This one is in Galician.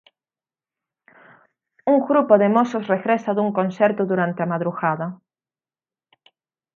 Un grupo de mozos regresa dun concerto durante a madrugada.